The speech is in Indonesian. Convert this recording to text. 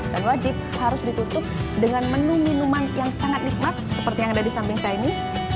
wajib harus ditutup dengan menu minuman yang sangat nikmat seperti yang ada di samping saya ini